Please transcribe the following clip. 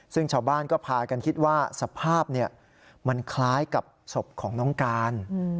ซึ่งชาวบ้านก็พากันคิดว่าสภาพมันคล้ายกับศพของน้องการ